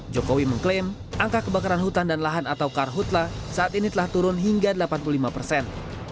jokowi mengklaim angka kebakaran hutan dan lahan atau karhutla saat ini telah turun hingga delapan puluh lima persen